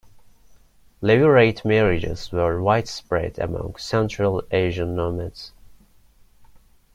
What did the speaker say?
Levirate marriages were widespread among Central Asian nomads.